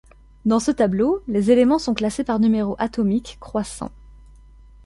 Dans ce tableau, les éléments sont classés par numéro atomique croissant.